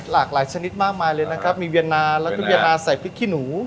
หลากหลายชนิดมากมายเลยนะครับมีเวียนนาแล้วก็เวียนนาใส่พริกขี้หนู